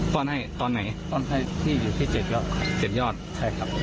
ต้อนให้ตอนไหนต้อนให้ที่อยู่ที่เจ็ดยอดเจ็ดยอดใช่ครับ